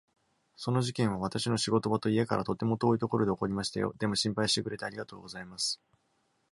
その事件は私の仕事場と家からとても遠いところで起こりましたよ、でも心配してくれてありがとうございます。